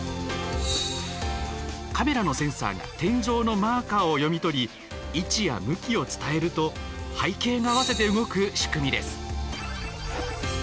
カメラのセンサーが天井のマーカーを読み取り位置や向きを伝えると背景が合わせて動く仕組みです。